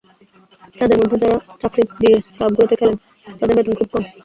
তাঁদের মধ্যে যাঁরা চাকরি নিয়ে ক্লাবগুলোতে খেলেন, তাঁদের বেতন খুব কম।